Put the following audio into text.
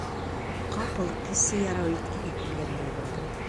Ҡапыл кесе ярау иткеһе килгәндәй булды.